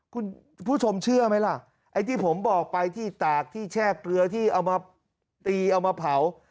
คุณผู้ชมเชื่อไหมล่ะไอ้ที่ผมบอกไปที่ตากที่แช่เกลือที่เอามาตีเอามาเผา